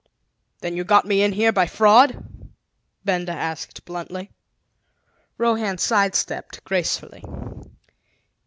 "Then you got me in here by fraud?" Benda asked bluntly. Rohan side stepped gracefully.